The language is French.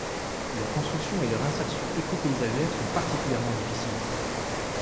Leur construction et leur insertion éco-paysagère sont particulièrement difficiles.